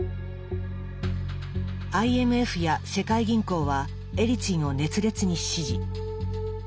ＩＭＦや世界銀行はエリツィンを熱烈に支持。